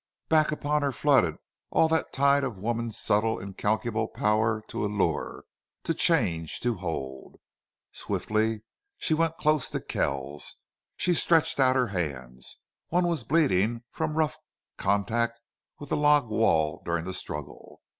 Back upon her flooded all that tide of woman's subtle incalculable power to allure, to charge, to hold. Swiftly she went close to Kells. She stretched out her hands. One was bleeding from rough contract with the log wall during the struggle.